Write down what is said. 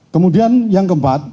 kemudian yang keempat